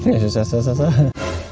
ya sentosa jaya